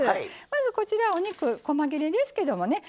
まずこちらお肉こま切れですけどもね